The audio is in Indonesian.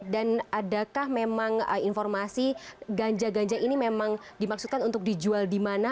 dan adakah memang informasi ganja ganja ini memang dimaksudkan untuk dijual di mana